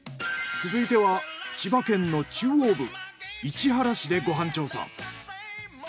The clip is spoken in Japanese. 続いては千葉県の中央部市原市でご飯調査。